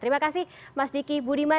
terima kasih mas diki budiman